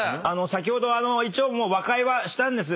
先ほど一応和解はしたんです。